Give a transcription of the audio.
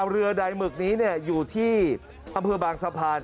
เรือใดหมึกนี้อยู่ที่อำเภอบางสะพาน